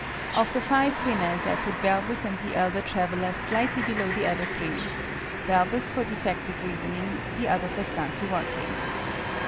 Of the five winners I put BALBUS and THE ELDER TRAVELLER slightly below the other three BALBUS for defective reasoning, the other for scanty working.